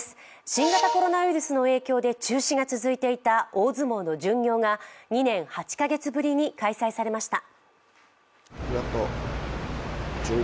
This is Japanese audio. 新型コロナウイルスの影響で中止が続いていた大相撲の巡業が２年８カ月ぶりに開催されました。